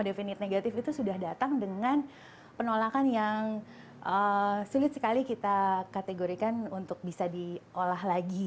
definit negatif itu sudah datang dengan penolakan yang sulit sekali kita kategorikan untuk bisa diolah lagi